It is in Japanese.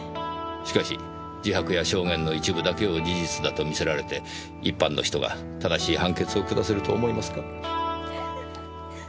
しかし自白や証言の一部だけを事実だと見せられて一般の人が正しい判決を下せると思いますか？